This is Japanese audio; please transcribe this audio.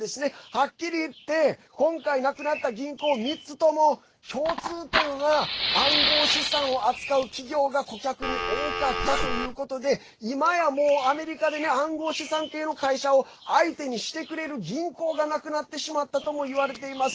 はっきり言って今回なくなった銀行３つとも共通点は、暗号資産を扱う企業が顧客に多かったということでいまや、もうアメリカでね暗号資産系の会社を相手にしてくれる銀行がなくなってしまったともいわれています。